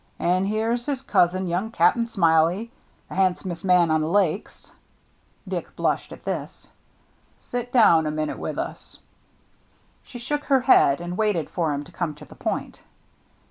And here's his cousin, another Cap'n Smiley, the handsomest man on the Lakes." Dick blushed at this. " Sit down a minute with us.'^ She shook her head, and waited for him to come to the point.